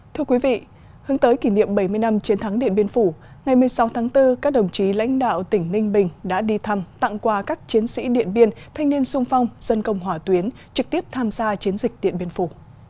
thưa quý vị hướng tới kỷ niệm bảy mươi năm chiến thắng điện biên phủ ngày một mươi sáu tháng bốn các đồng chí lãnh đạo tỉnh ninh bình đã đi thăm tặng quà các chiến sĩ điện biên thanh niên sung phong dân công hỏa tuyến trực tiếp tham gia chiến dịch điện biên phủ